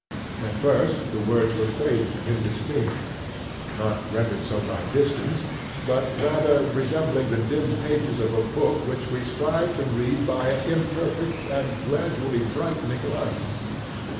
At first the words were faint and indistinct—not rendered so by distance, but rather resembling the dim pages of a book which we strive to read by an imperfect and gradually brightening light.